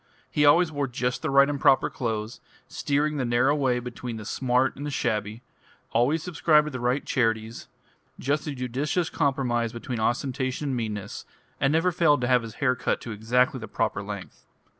He always wore just the right and proper clothes, steering the narrow way between the smart and the shabby, always subscribed to the right charities, just the judicious compromise between ostentation and meanness, and never failed to have his hair cut to exactly the proper length.